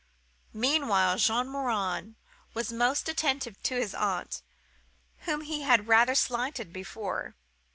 Meanwhile Jean Morin was most attentive to his aunt, whom he had rather slighted before.